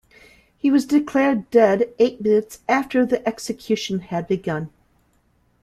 He was declared dead eight minutes after the execution had begun.